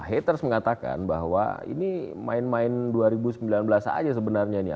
haters mengatakan bahwa ini main main dua ribu sembilan belas saja sebenarnya nih